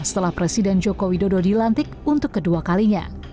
setelah presiden joko widodo dilantik untuk kedua kalinya